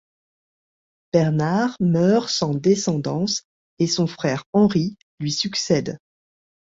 Bernard meurt sans descendance, et son frère Henri lui succède.